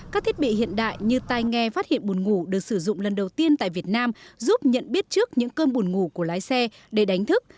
các thiết bị hiện đại như tai nghe phát hiện buồn ngủ được sử dụng lần đầu tiên tại việt nam giúp nhận biết trước những cơm bùn ngủ của lái xe để đánh thức